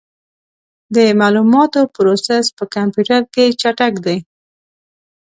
د معلوماتو پروسس په کمپیوټر کې چټک دی.